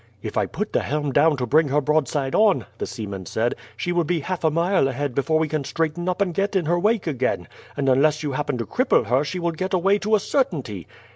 "If I put the helm down to bring her broadside on," the seaman said, "she will be half a mile ahead before we can straighten up and get in her wake again; and unless you happen to cripple her she will get away to a certainty."